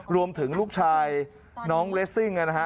ลูกชายน้องเลสซิ่งนะฮะ